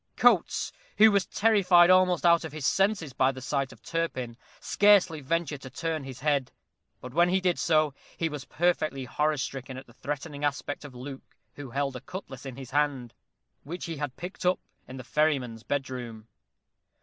Coates, who was terrified almost out of his senses at the sight of Turpin, scarcely ventured to turn his head; but when he did so, he was perfectly horror stricken at the threatening aspect of Luke, who held a cutlass in his hand, which he had picked up in the ferryman's bedroom.